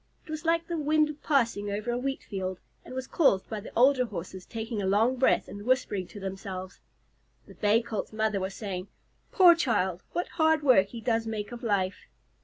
It was like the wind passing over a wheatfield, and was caused by the older Horses taking a long breath and whispering to themselves. The Bay Colt's mother was saying, "Poor child! What hard work he does make of life!"